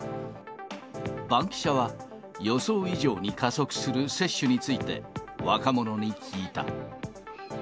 バンキシャは、予想以上に加速する接種について、若者に聞いた。